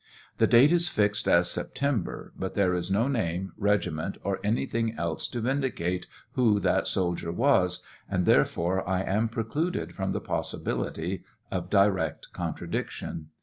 The date is fixed as September, but there is no name, regiment, or anything else to vindicate who that soldier was, and therefore I am precluded from the possibility of direct contradiction.